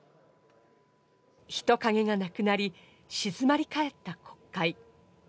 人影がなくなり、静まり返った国会。